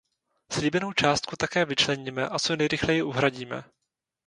Slíbenou částku také vyčleníme a co nejrychleji uhradíme.